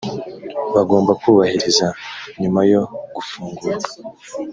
bagomba kubahiriza nyuma yo gufungurwa